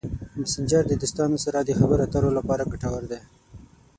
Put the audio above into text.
مسېنجر د دوستانو سره د خبرو اترو لپاره ګټور دی.